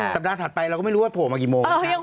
ปัดไปเราก็ไม่รู้ว่าโผล่มากี่โมง